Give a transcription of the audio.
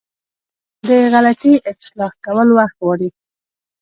د غلطي اصلاح کول وخت غواړي.